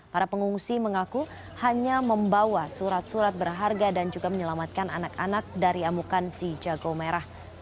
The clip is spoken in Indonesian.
para pengungsi mengaku hanya membawa surat surat berharga dan juga menyelamatkan anak anak dari amukan si jago merah